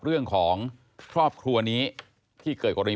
เผื่อเขายังไม่ได้งาน